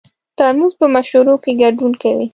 ترموز په مشورو کې ګډون کوي.